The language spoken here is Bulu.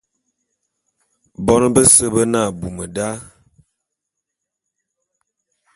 Bon bese be ne abum da.